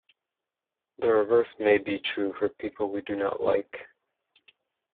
The reverse may be true for people we do not like.